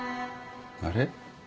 あれ？